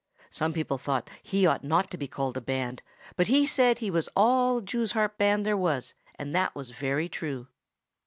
(Some people thought he ought not to be called a band, but he said he was all the jews harp band there was, and that was very true.)